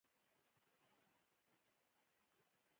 د رنګینو او ښکلو میوو کور.